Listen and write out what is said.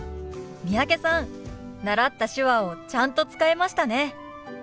三宅さん習った手話をちゃんと使えましたね。